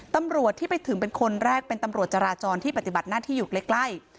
ตำรวจที่ไปถึงคนแรกเป็นการที่พัฒนาที่อยู่ใกล้